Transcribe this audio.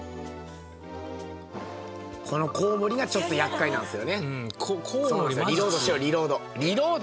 このコウモリがちょっと厄介なんですよね。